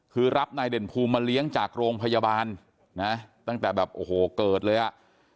คือรับนายเด่นภูมิมาเลี้ยงจากโรงพยาบาลนะตั้งแต่แบบโอ้โหเกิดเลยอ่ะ